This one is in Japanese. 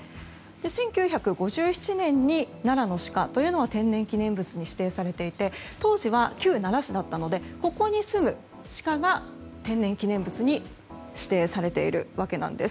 １９５７年に奈良のシカというのは天然記念物に指定されていて当時は旧奈良市だったのでここに住むシカが天然記念物に指定されているわけなんです。